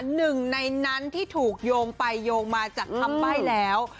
หนึ่งในนั้นที่ถูกโยงไปโยงมาจากคำใบ้แล้ว